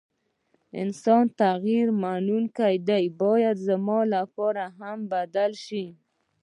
انسان تغير منونکي ده ، بايد زما لپاره هم بدله شوې ،